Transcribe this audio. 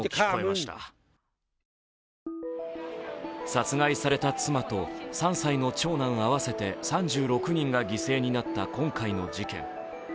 殺害された妻と３歳の長男合わせて３６人が犠牲になった今回の事件。